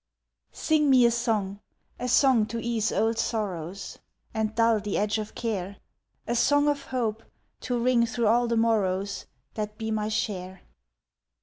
Sing me a song a song to ease old sorrows, And dull the edge of care A song of Hope to ring through all the morrows That be my share.